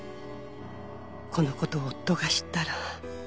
「このことを夫が知ったら」